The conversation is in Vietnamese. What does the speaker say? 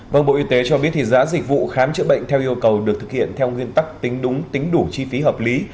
vâng bộ y tế cho biết giá dịch vụ khám chữa bệnh theo yêu cầu được thực hiện theo nguyên tắc tính đúng tính đủ chi phí hợp lý